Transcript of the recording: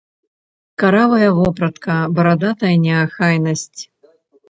Каравая вопратка, барадатая неахайнасць!